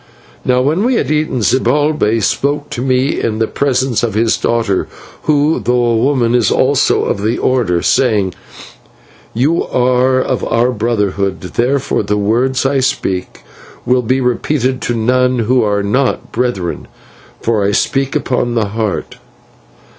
"Now when we had eaten, Zibalbay spoke to me in the presence of his daughter, who, though a woman, is also of the Order, saying: "'You are of our Brotherhood, therefore the words I speak will be repeated to none who are not brethren, for I speak upon the Heart.'